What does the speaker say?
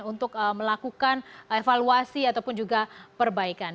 untuk melakukan evaluasi ataupun juga perbaikan